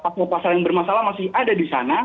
pasal pasal yang bermasalah masih ada di sana